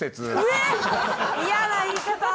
えっ嫌な言い方！